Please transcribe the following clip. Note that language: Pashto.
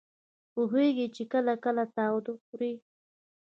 پوهېږي چې کله کله تاوده خوري.